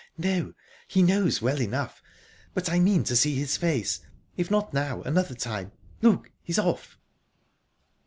"No, he knows well enough...But I mean to see his face if not now, another time...Look! he's off..."